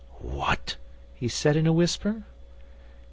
'"What?" he said in a whisper.